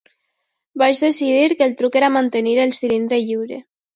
Vaig decidir que el truc era mantenir el cilindre lliure.